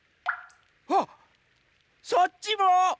あっそっちも！？